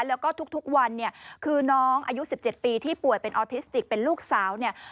แล้วก็ทุกวันเนี่ยคือน้องอายุ๑๗ปีที่ป่วยเป็นออทิสติกเป็นลูกสาวเนี่ย